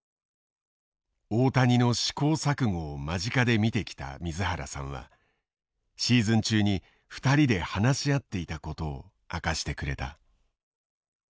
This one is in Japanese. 大谷の試行錯誤を間近で見てきた水原さんはシーズン中に２人で話し合っていたことを明かしてくれた。